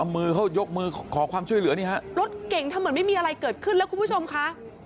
มันเหมือนไม่มีอะไรเกิดขึ้นแล้วคุณผู้ชมค่ะ